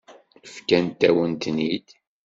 Fkant-awen-ten-id.